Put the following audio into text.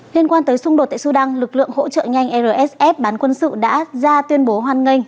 liên quan tới xung đột tại sudan lực lượng hỗ trợ nhanh rsf bán quân sự đã ra tuyên bố hoan nghênh